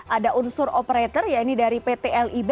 ada unsur operator ya ini dari pt lib